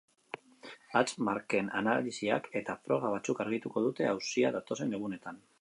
Hatz-marken analisiak eta froga batzuk argituko dute auzia datozen egunetan.